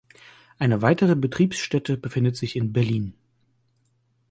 Eine weitere Betriebsstätte befindet sich in Berlin.